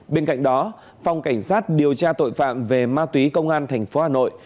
bên cạnh đó phòng cảnh sát điều tra tội phạm về ma túy công an thành phố hà nội